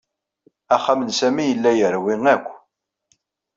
Axxam n Sami yella yerwi akk.